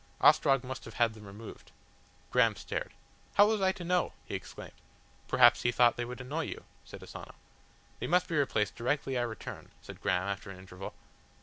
"Ostrog must have had them removed." Graham stared. "How was I to know?" he exclaimed. "Perhaps he thought they would annoy you," said Asano. "They must be replaced directly I return," said Graham after an interval.